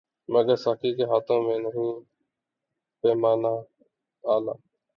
مگر ساقی کے ہاتھوں میں نہیں پیمانۂ الا